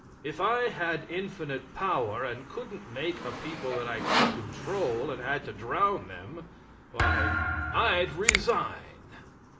If I had infinite power and couldn't make a people that I could control and had to drown them, why I'd resign.